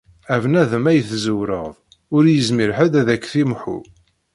A bnadem ay tezzewreḍ, ur yezmir ḥedd ad ak-t-imḥu.